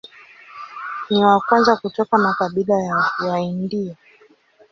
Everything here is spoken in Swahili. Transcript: Ni wa kwanza kutoka makabila ya Waindio.